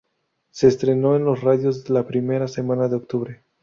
Se estrenó en las radios la primera semana de octubre.